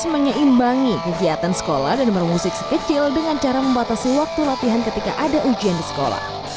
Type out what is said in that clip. menyeimbangi kegiatan sekolah dan bermusik sekecil dengan cara membatasi waktu latihan ketika ada ujian di sekolah